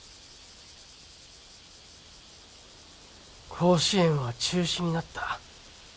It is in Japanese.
甲子園は中止になった。